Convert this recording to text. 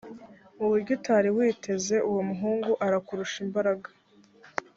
mu buryo utari witeze uwo muhungu arakurusha imbaraga